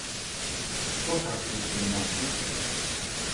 Çok haksızsın Mahmut…